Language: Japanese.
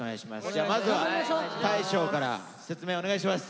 じゃあまずは大昇から説明お願いします。